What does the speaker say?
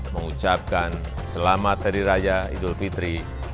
mengucapkan selamat hari raya idul fitri